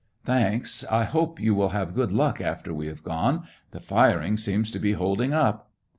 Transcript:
" Thanks, I hope you will have good luck after we have gone. The firing seems to be holding up."